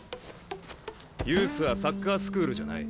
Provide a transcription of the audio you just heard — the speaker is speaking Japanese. ユースはサッカースクールじゃない。